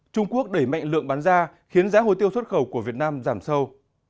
trung quốc đẩy mạnh lượng bán ra khiến giá hồi tiêu xuất khẩu của việt nam giảm sâu